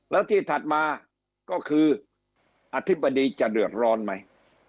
แล้วที่ถัดมาก็คืออธิบดีจะเดือดร้อนไหม